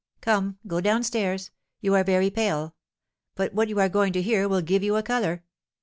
Come, go down stairs. You are very pale; but what you are going to hear will give you a colour.'